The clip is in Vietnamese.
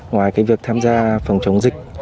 ngoài cái việc tham gia phòng chống dịch